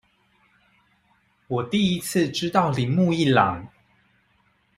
我第一次知道鈴木一朗